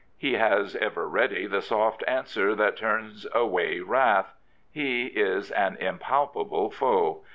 He has ever ready the soft answer that turns away wrath. He is an impalpable foe.